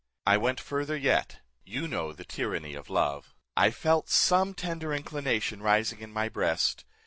I went further yet: you know the tyranny of love: I felt some tender inclination rising in my breast.